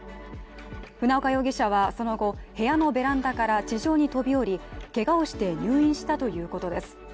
船岡容疑者はその後、部屋のベランダから地上に飛び降りけがをして入院したということです。